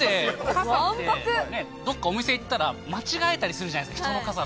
どっかお店行ったら、間違えたりするじゃないですか、人の傘。